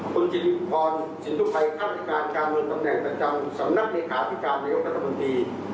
คุณทิศพรสิทธุภัยคาบริการการงงตำแหน่งประจำสำนักมีคาพิการในอุปกรณ์กรรมดี